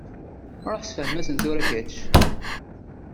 Ṛuḥ ssefhem-asen tura kečč.